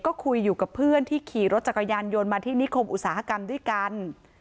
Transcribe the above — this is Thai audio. ก็คุยอยู่กับเพื่อนที่ขี่รถจักรยานยนต์มาที่นิคมอุตสาหกรรมด้วยกัน